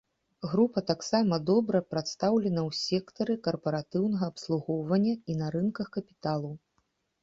Група таксама добра прадстаўлена ў сектары карпаратыўнага абслугоўвання і на рынках капіталу.